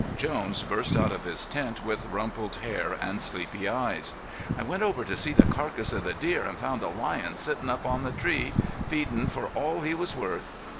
Jones burst out of his tent, with rumpled hair and sleepy eyes. "I went over to see the carcass of the deer an' found a lion sittin' up in the tree, feedin' for all he was worth.